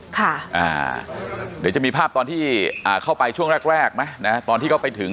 เดี๋ยวจะมีภาพตอนที่เข้าไปช่วงแรกแรกไหมนะตอนที่เขาไปถึง